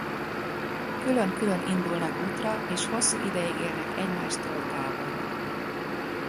Külön-külön indulnak útra és hosszú ideig élnek egymástól távol.